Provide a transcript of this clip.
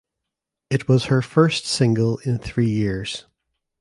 It was her first single in three years.